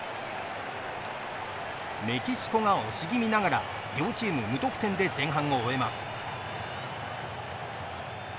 メキシコが押しぎみながら両チーム無得点で前半を終えます。